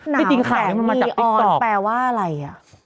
น้าวแสงนีออนแปลว่าอะไรอะ